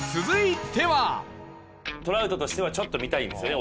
トラウトとしてはちょっと見たいんですよね